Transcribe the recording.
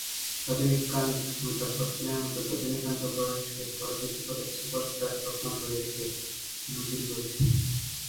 রজনীকান্তঅমিতাভ বচ্চনের মতো রজনীকান্তও বয়সকে পরাজিত করে সুপারস্টার তকমা ধরে রেখে নজির গড়েছেন।